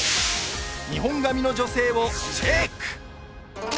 日本髪の女性をチェック！